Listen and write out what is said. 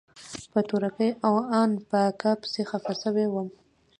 په تورکي او ان په اکا پسې خپه سوى وم.